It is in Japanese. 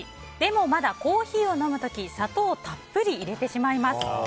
でもまだコーヒーを飲む時砂糖をたっぷり入れてしまいます。